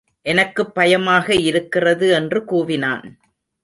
எனக்குப் பயமாக இருக்கிறது என்று கூவினான்!